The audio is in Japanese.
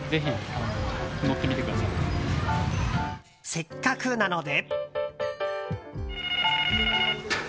せっかくなので。